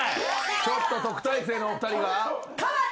ちょっと特待生のお二人が。